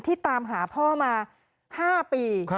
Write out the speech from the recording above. ตามหาพ่อมา๕ปี